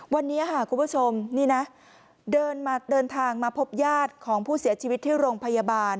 วันนี้ค่ะคุณผู้ชมนี่นะเดินทางมาพบญาติของผู้เสียชีวิตที่โรงพยาบาล